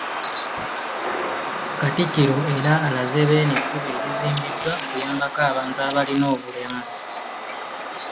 Katikkiro era alaze Beene ekkubo erizimbiddwa okuyambako abantu abalina obulemu